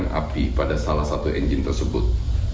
percikan api pada salah satu enjin tersebut